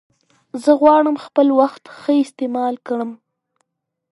زه غواړم خپل وخت ښه استعمال کړم.